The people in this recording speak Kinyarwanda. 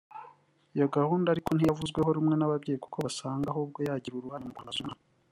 Iyi gahunda ariko ntiyavuzweho rumwe n’ababyeyi kuko basanga ahubwo yagira uruhare mu kurangaza umwana